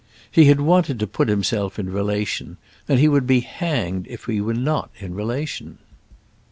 He had wanted to put himself in relation, and he would be hanged if he were not in relation.